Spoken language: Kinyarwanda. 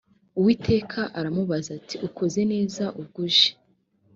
uwiteka aramubaza ati ukoze neza ubwo uje